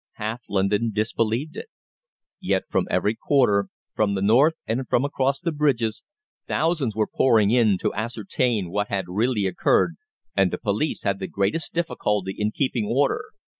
Half London disbelieved it. Yet from every quarter, from the north and from across the bridges, thousands were pouring in to ascertain what had really occurred, and the police had the greatest difficulty in keeping order.